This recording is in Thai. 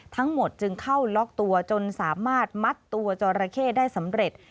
ทั้งหมดจึงเข้าล็อกตัวจนสามารถมัดตัวจอราเข้ได้สำเร็จ